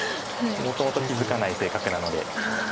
もともと気付かない性格なので。